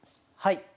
はい。